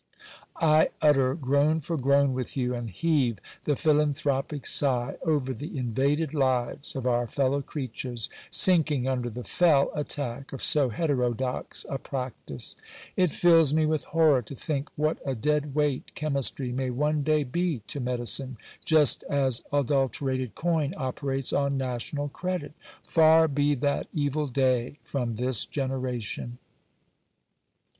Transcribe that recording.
I utter groan for groan with you, and heave the philanthropic sigh over the invaded lives of our fellow creatures, sinking under 336 GIL BIAS. the fell attack of so heterodox a practice. It fills me with horror to think what a dead weight chemistry may one day be to medicine, just as adulterated coin operates on national credit. Far be that evil day from this generation.